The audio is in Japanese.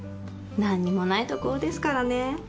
何にもないところですからね。